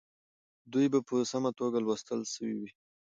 دوی به په سمه توګه لوستل سوي وي.